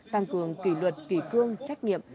tăng cường kỷ luật kỷ cương trách nghiệm